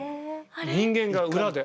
人間が裏で。